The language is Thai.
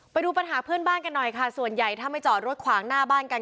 ไปดูปัญหาเพื่อนบ้านกันหน่อยค่ะส่วนใหญ่ถ้าไม่จอดรถขวางหน้าบ้านกัน